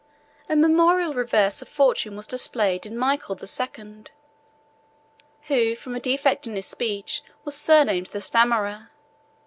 A memorable reverse of fortune was displayed in Michael the Second, who from a defect in his speech was surnamed the Stammerer.